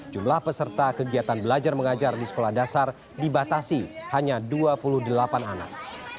jumlah peserta kegiatan belajar mengajar di sekolah dasar dibatasi hanya dua puluh delapan anak